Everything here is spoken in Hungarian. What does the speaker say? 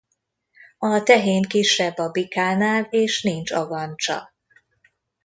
A tehén kisebb a bikánál és nincs agancsa.